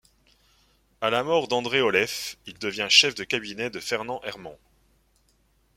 À la mort d'André Oleffe, il devient chef de cabinet de Fernand Herman.